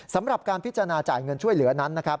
สำหรับการพิจารณาจ่ายเงินช่วยเหลือนั้นนะครับ